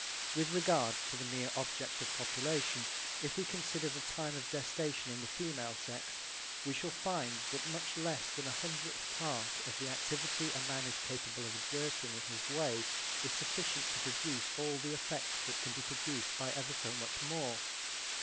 With regard to the mere object of population, if we consider the time of gestation in the female sex we shall find that much less than a hundredth part of the activity a man is capable of exerting in this way is sufficient to produce all the effect that can be produced by ever so much more.